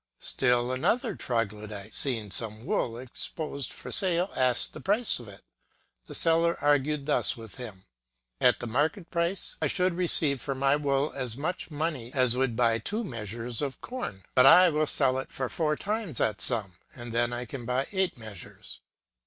Still another Troglodite, seeing some wool exposed for sale, asked the price of it. The seller argued thus with himself :" At the market price I should receive for my wool as much money as would buy two measures of corn ; but I will sell it for four times that sum, and then I can buy eight measures.